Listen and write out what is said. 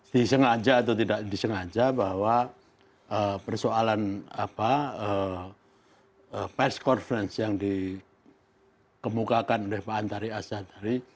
disengaja atau tidak disengaja bahwa persoalan apa perskonferensi yang dikemukakan oleh pak antari asyadari